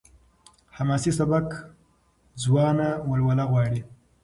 حماسي سبک ځوانه ولوله غواړي.